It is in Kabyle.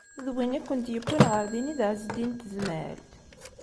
D win i kent-yewwin ɣer din i d Ɛezdin n Tezmalt?